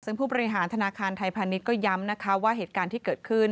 ซึ่งผู้บริหารธนาคารไทยพาณิชย์ก็ย้ำนะคะว่าเหตุการณ์ที่เกิดขึ้น